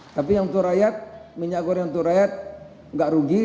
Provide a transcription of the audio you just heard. tapi yang untuk rakyat minyak goreng untuk rakyat nggak rugi